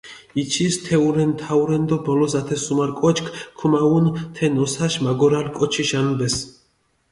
იჩის თეურენი, თაურენი დო ბოლოს ათე სუმარ კოჩქ ქუმაჸუნ თე ნოსაში მაგორალი კოჩიში ანბეს.